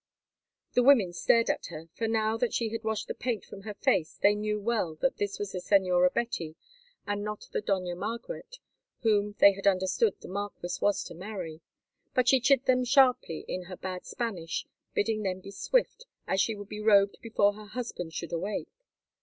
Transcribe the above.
The women stared at her, for now that she had washed the paint from her face they knew well that this was the Señora Betty and not the Dona Margaret, whom, they had understood, the marquis was to marry. But she chid them sharply in her bad Spanish, bidding them be swift, as she would be robed before her husband should awake.